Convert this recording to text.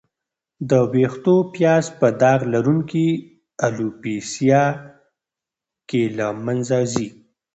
د وېښتو پیاز په داغ لرونکې الوپیسیا کې له منځه ځي.